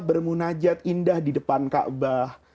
bermunajat indah di depan kaabah